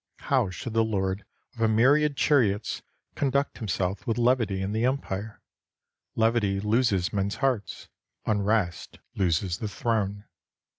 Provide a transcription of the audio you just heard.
How should the lord of a myriad chariots conduct himself with levity in the Empire ? Levity loses men's hearts ; unrest loses the throne.